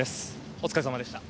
お疲れさまでした。